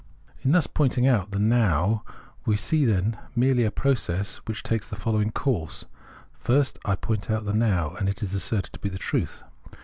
In thus pointing out the Now we see then merely a process which takes the following course : First I point out the Now, and it is asserted to be the truth.